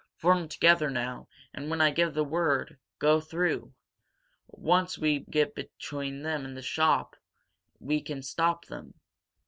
Form together now and when I give the word, go through! Once we get between them and the shop, we can stop them.